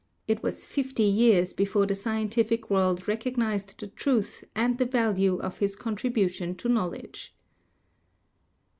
It was fifty years before the scientific world recognised the truth and the value of his contribution to knowledge.